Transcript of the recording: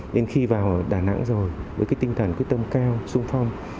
đến khi vào đà nẵng rồi với cái tinh thần quyết tâm cao sung phong